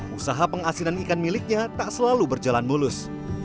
usaha pengasinan ikan miliknya tak selalu berjalan mulus